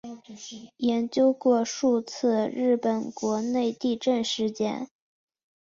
研究过数次日本国内地震事件。